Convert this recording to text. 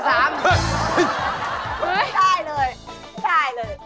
แถ่เลยทุกท่ายเลย